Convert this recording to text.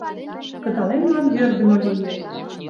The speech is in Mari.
Кыдалемлан йӧрдымӧ лие.